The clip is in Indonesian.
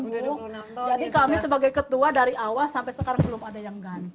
jadi kami sebagai ketua dari awal sampai sekarang belum ada yang ganti